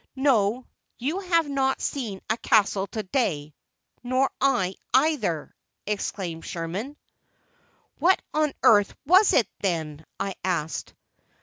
"No, you have not seen a castle to day, nor I either!" exclaimed Sherman. "What on earth was it, then?" I asked.